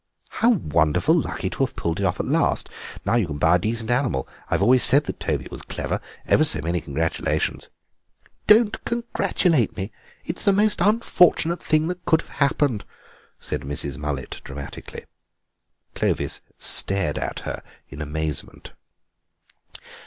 "How wonderfully lucky to have pulled it off at last! Now you can buy a decent animal. I've always said that Toby was clever. Ever so many congratulations." "Don't congratulate me. It's the most unfortunate thing that could have happened!" said Mrs. Mullet dramatically. Clovis stared at her in amazement.